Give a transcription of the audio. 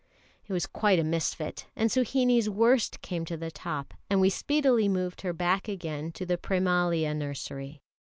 ] It was quite a misfit, and Suhinie's worst came to the top, and we speedily moved her back again to the Prémalia nursery.